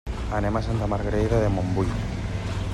Anem a Santa Margarida de Montbui.